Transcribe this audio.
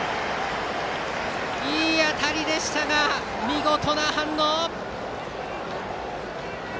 いい当たりでしたが見事な反応。